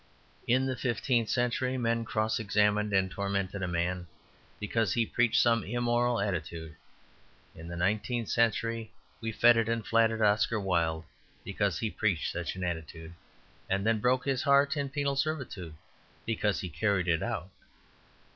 In the fifteenth century men cross examined and tormented a man because he preached some immoral attitude; in the nineteenth century we feted and flattered Oscar Wilde because he preached such an attitude, and then broke his heart in penal servitude because he carried it out.